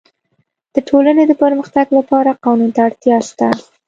د ټولني د پرمختګ لپاره قانون ته اړتیا سته.